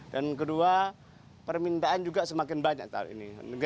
dan kedua permintaan juga semakin banyak tahun ini